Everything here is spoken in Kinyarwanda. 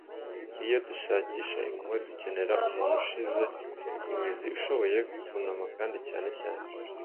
iyo dushakisha impuhwe, dukenera umuntu ushinze imizi, ushoboye kunama kandi cyane cyane